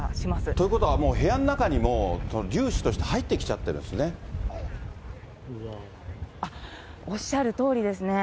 ということは、もう部屋の中にも粒子として入ってきちゃっておっしゃるとおりですね。